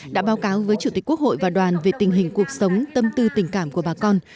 đã báo cáo với chủ tịch quốc hội và đoàn về tình hình cuộc sống tâm tư tình cảm của bà con